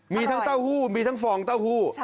มีทั้งเต้าหู้มีทั้งฟองเต้าหู้